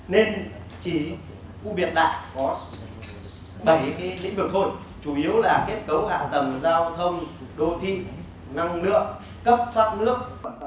nên chỉ khu biệt thạc có bảy cái lĩnh vực thôi chủ yếu là kết cấu hạ tầng giao thông đô thị năng lượng cấp thoát nước